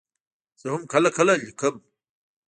زه هم کله کله لیکم.